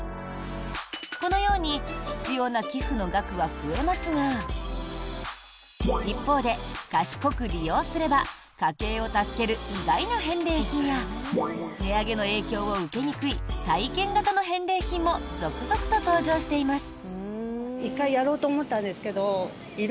このように必要な寄付の額は増えますが一方で、賢く利用すれば家計を助ける意外な返礼品や値上げの影響を受けにくい体験型の返礼品も続々と登場しています。